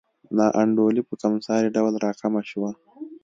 نا انډولي په کمسارې ډول راکمه شوه.